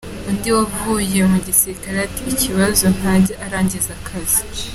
Undi wavuye mu gisirikare ati: “Ikibazo ntajya arangiza akazi.